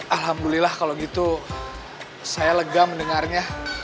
alhamdulillah kalau gitu saya lega mendengarnya